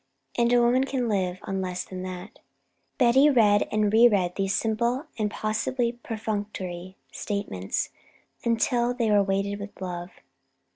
And a woman can live on less than that. Betty read and re read these simple and possibly perfunctory statements until they were weighted with love.